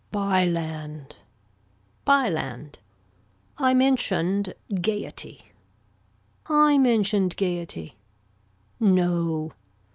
By land. By land. I mentioned gayety. I mentioned gayety. No.